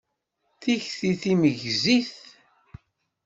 D tikti timegzit.